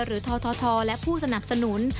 หรือทททและผู้สนับสนุน